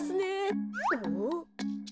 おっ？